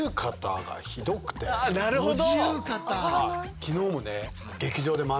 なるほど！